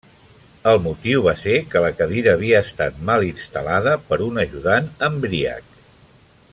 El motiu va ser que la cadira havia estat mal instal·lada per un ajudant embriac.